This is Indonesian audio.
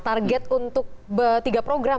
target untuk tiga program